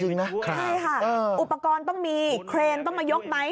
ใช่ค่ะอุปกรณ์ต้องมีเครนต้องมายกไหม